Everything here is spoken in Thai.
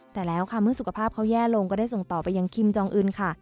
แต่แล้วค่ะเมื่อสุขภาพเขาแย่ลงก็ได้ส่งต่อไปยังคิมจองอื่นค่ะ